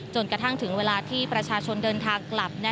จนกระทั่งถึงเวลาที่ประชาชนเดินทางกลับ